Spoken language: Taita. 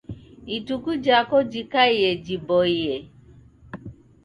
Ituku jako jikaie jiboiye